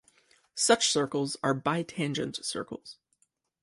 Such circles are "bi-tangent" circles.